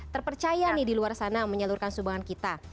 terpercaya nih di luar sana menyalurkan sumbangan kita